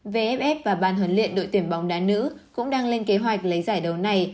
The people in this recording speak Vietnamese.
vff và ban huấn luyện đội tuyển bóng đá nữ cũng đang lên kế hoạch lấy giải đấu này